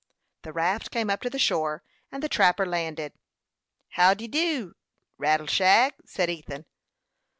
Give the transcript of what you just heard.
The raft came up to the shore, and the trapper landed. "How d'ye do, Rattleshag?" said Ethan.